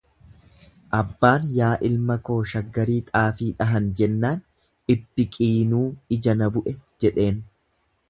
"Abbaan ""yaa ilma koo shaggarii xaafii dhahan"" jennaan ""ibbiqiinuu ija na bu'e"" jedheen."